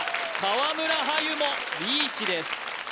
川村はゆもリーチです